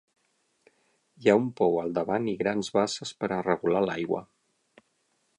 Hi ha un pou al davant i grans basses per a regular l'aigua.